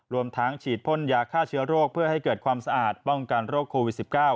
รวมทั้งฉีดพ่นยาฆ่าเชื้อโรคเพื่อให้เกิดความสะอาดป้องกันโรคโควิด๑๙